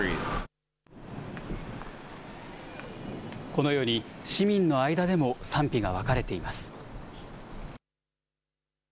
このように市民の間でも賛否が分かれています。